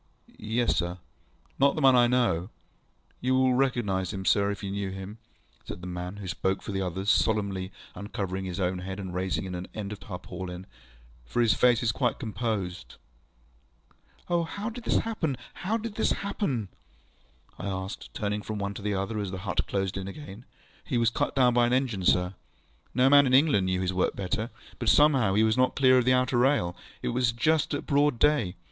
ŌĆØ ŌĆ£Yes, sir. ŌĆØ ŌĆ£Not the man I know? ŌĆØ ŌĆ£You will recognise him, sir, if you knew him, ŌĆØ said the man who spoke for the others, solemnly uncovering his own head, and raising an end of the tarpaulin, ŌĆ£for his face is quite composed. ŌĆØ ŌĆ£O, how did this happen, how did this happen? ŌĆØ I asked, turning from one to another as the hut closed in again. ŌĆ£He was cut down by an engine, sir. No man in England knew his work better. But somehow he was not clear of the outer rail. It was just at broad day.